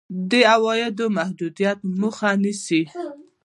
د عوایدو د محدودېدو مخه نیسي.